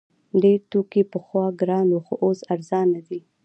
ډیر توکي پخوا ګران وو خو اوس ارزانه دي.